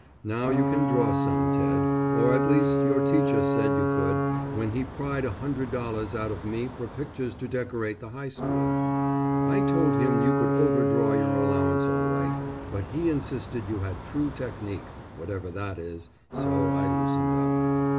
Now you can draw some, Ted, or at least your teacher said you could, when he pried a hundred dollars out of me for pictures to decorate the high school. I told him you could overdraw your allowance all right, but he insisted you had true technique, whatever that is, so I loosened up.